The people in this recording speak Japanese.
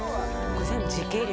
これ全部時系列？